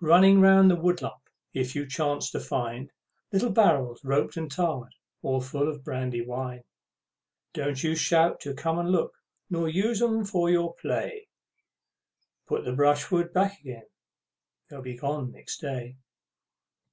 Running round the woodlump if you chance to find Little barrels, roped and tarred, all full of brandy wine, Don't you shout to come and look, nor use 'em for your play. Put the brishwood back again, and they'll be gone next day!